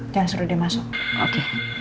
jangan suruh dia masuk